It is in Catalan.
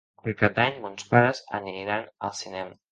Per Cap d'Any mons pares aniran al cinema.